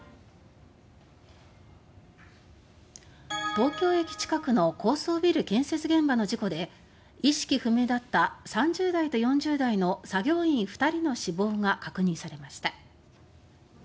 東京駅近くの高層ビル建設現場の事故で意識不明だった３０代と４０代の作業員２人の死亡が確認されました。